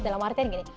dalam artian gini